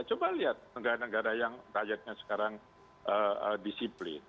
coba lihat negara negara yang rakyatnya sekarang disiplin